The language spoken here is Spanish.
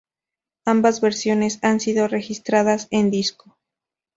Ambas versiones han sido registradas en disco.